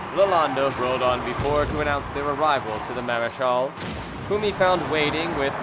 Lalande rode on before to announce their arrival to the marechal, whom he found waiting with MM.